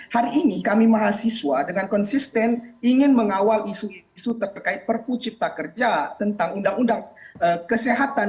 hari ini kami mahasiswa dengan konsisten ingin mengawal isu isu terkait perpu cipta kerja tentang undang undang kesehatan